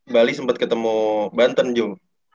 bali sempat ketemu banten juga kan